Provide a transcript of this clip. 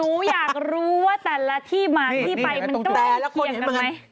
หนูอยากรู้ว่าแต่ละที่มาที่ไปมันใกล้เคียงกันไหม